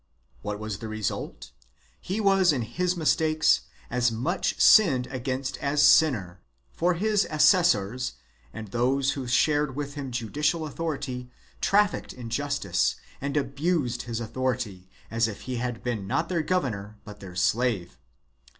What was the result ? He was in his mistakes as much sinned against as sinner, for his assessors and those who shared with him judicial authority trafficked in _ justice, and abused his authority as if he had been 'not their governor but their slave.